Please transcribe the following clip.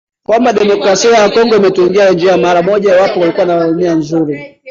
kwamba Demokrasia ya Kongo ingetumia njia hiyo mara moja iwapo walikuwa na nia nzuri